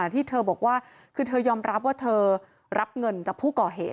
ที่เธอบอกว่าคือเธอยอมรับว่าเธอรับเงินจากผู้ก่อเหตุ